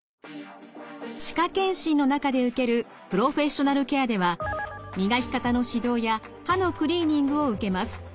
歯科健診の中で受けるプロフェッショナルケアでは磨き方の指導や歯のクリーニングを受けます。